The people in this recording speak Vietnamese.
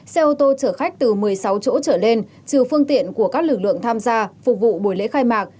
xe ô tô chở khách từ một mươi sáu chỗ trở lên trừ phương tiện của các lực lượng tham gia phục vụ buổi lễ khai mạc